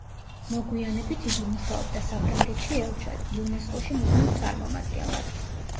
მოგვიანებით იგი მუშაობდა საფრანგეთში ელჩად, იუნესკოში მუდმივ წარმომადგენლად.